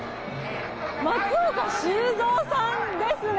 松岡修造さんですね。